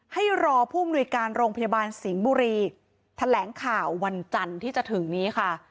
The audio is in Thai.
ให้รอผู้มนุยการโรงพยาบาลสิงห์บุรีแถลงข่าววันจันทร์ที่จะถึงนี้ค่ะ